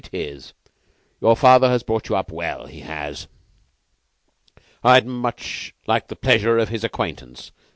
It is! Your father has brought you up well. He has. I'd much like the pleasure of his acquaintance.